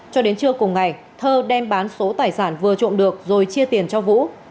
cho đến trưa cùng ngày thơ đem bán số tài sản vừa trộm được rồi chia tiền cho vũ